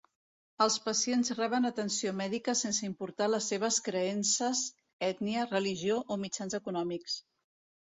Els pacients reben atenció mèdica sense importar les seves creences, ètnia, religió, o mitjans econòmics.